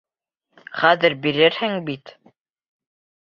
Хәҙер бирерһең бит?